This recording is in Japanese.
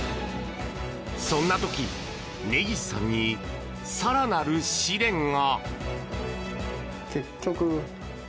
そんな時、根岸さんに更なる試練が。